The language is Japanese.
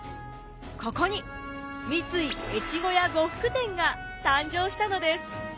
ここに三井越後屋呉服店が誕生したのです。